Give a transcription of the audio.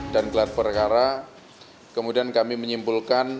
dan kelar perkara kemudian kami menyimpulkan